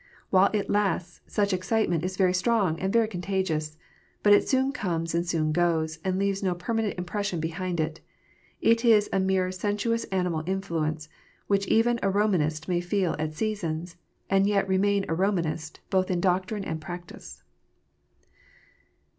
While it lasts, such excitement is very strong and very contagious ; but it soon comes and soon goes, and leaves no permanent impression behind it. It is a mere sensuous animal influence, which even a Komanist may feel at seasons, and yet remain a Komanist both in doctrine and practice.